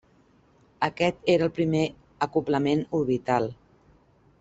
Aquest era el primer acoblament orbital.